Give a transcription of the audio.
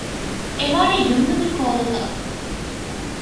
އެވާނީ ޔުމްނުގެ ކޯލަކަށް